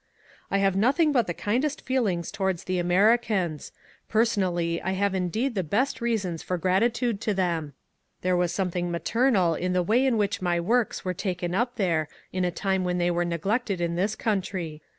I have nothing but the kindest feelings towards the Americans. Personally I have indeed the best reasons for gratitude to them ; there was something maternal in the way in which my works were taken up there in a time when they were neglected in this country.